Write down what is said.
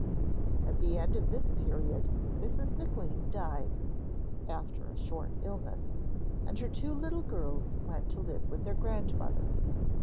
At the end of this period Mrs. Maclean died, after a short illness, and her two little girls went to live with their grandmother.